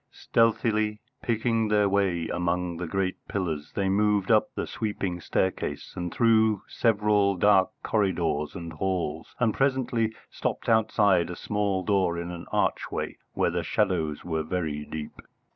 Stealthily, picking their way among the great pillars, they moved up the sweeping staircase and through several dark corridors and halls, and presently stopped outside a small door in an archway where the shadows were very deep.